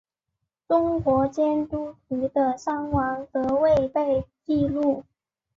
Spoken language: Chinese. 中国基督徒的伤亡则未被记录。